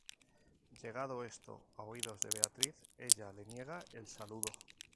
Llegado esto a oídos de Beatriz, ella le niega el saludo.